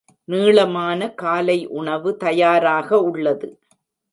நீளமான காலை உணவு தயாராக உள்ளது